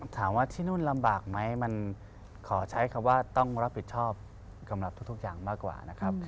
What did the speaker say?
ถามว่าที่นู่นลำบากไหมมันขอใช้คำว่าต้องรับผิดชอบสำหรับทุกอย่างมากกว่านะครับ